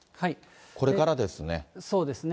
これからですね。